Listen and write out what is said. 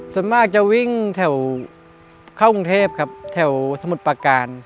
ส่วนมากจะวิ่งแถวเข้ากรุงเทพครับแถวสมุทรประการ